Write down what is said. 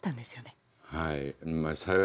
はい。